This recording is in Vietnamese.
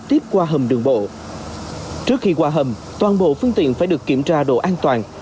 trước khi qua hầm toàn bộ phương tiện phải được kiểm tra độ an toàn